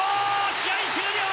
試合終了！